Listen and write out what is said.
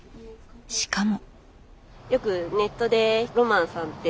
しかも。